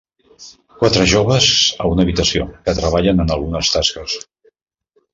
Quatre joves a una habitació, que treballen en algunes tasques.